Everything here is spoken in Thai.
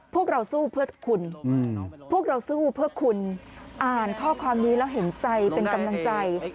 พวกเราสู้เพื่อคุณพวกเราสู้เพื่อคุณอ่านข้อความนี้แล้วเห็นใจเป็นกำลังใจ